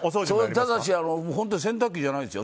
ただし、本当に洗濯機じゃないですよ。